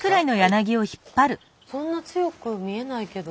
そんな強くは見えないけど。